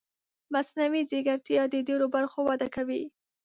مصنوعي ځیرکتیا د ډېرو برخو وده کوي.